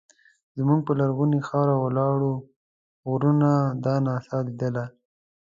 زموږ پر لرغونې خاوره ولاړو غرونو دا نڅا لیدلې.